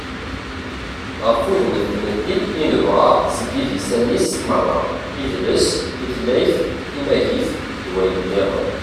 ɣef wudem n tmetti i nebɣa seg yidisan-is meṛṛa: idles, tutlayt, timagit, d wayen-nniḍen